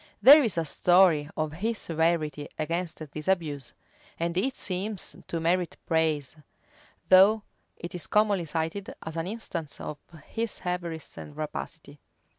There is a story of his severity against this abuse; and it seems to merit praise, though it is commonly cited as an instance of his avarice and rapacity.